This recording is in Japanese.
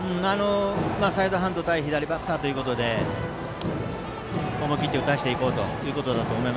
サイドハンド対左バッターということで思い切って打たせていこうと。